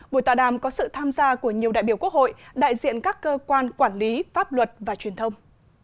buổi tòa đàm có sự tham gia của nhiều đại biểu quốc hội đại diện các cơ quan quản lý pháp luật và truyền thông